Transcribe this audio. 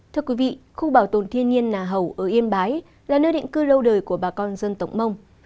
thưa quý vị khu bảo tồn thiên nhiên nà hầu ở yên bái là nơi định cư lâu đời của bà con dân tộc mông